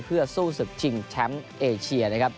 เพื่อสู้ศึกชิงแชมป์เอเชียนะครับ